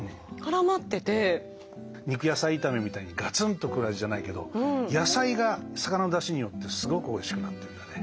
肉野菜炒めみたいにガツンと来る味じゃないけど野菜が魚の出汁によってすごくおいしくなってるんだね。